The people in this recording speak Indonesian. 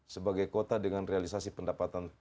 sebagai kota dengan realisasi pendapatan